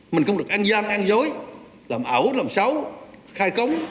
mình không được ăn gian ăn dối làm ẩu làm xấu khai cống